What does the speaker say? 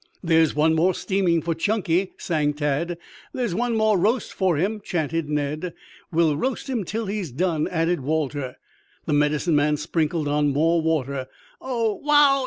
"There's one more steaming for Chunky," sang Tad. "There's one more roast for him," chanted Ned. "We'll roast him till he's done," added Walter. The Medicine Man sprinkled on more water. "Ow, wow!